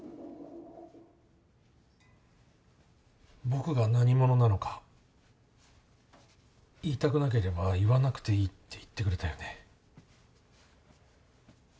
僕が何者なのか言いたくなければ言わなくていいって言ってくれたよね。